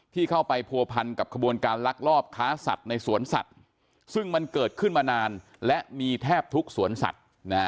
ที่เข้าไปผัวพันกับขบวนการลักลอบค้าสัตว์ในสวนสัตว์ซึ่งมันเกิดขึ้นมานานและมีแทบทุกสวนสัตว์